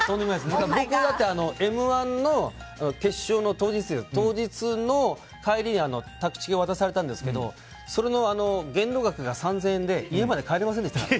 僕、だって「Ｍ‐１」の決勝の当日の帰りにタクチケを渡されたんですけどその限度額が３０００円で家まで帰れませんでしたから。